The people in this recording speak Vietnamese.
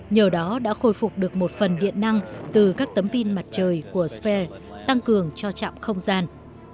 nhờ đó đã khôi phục được một phần điện năng từ các tấm pin mặt trời của spare tăng cường cho trạm không gian